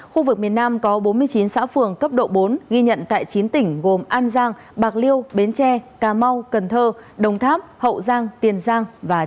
khu vực miền nam có bốn mươi chín xã phường cấp độ bốn ghi nhận tại chín tỉnh gồm an giang bạc liêu bến tre cà mau cần thơ đồng tháp hậu giang tiền giang